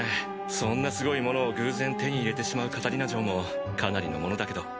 そんなすごいものを偶然手に入れてしまうカタリナ嬢もかなりのものだけど。